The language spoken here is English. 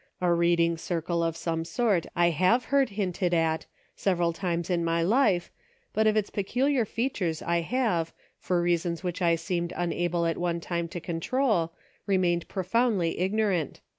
A read ing circle of some sort I have heard hinted at, several times in my life, but of its peculiar features I have, for reasons which I seemed unable at one time to control, remained profoundly ignorant.